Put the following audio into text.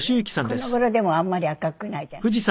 この頃でもあんまり赤くないじゃない。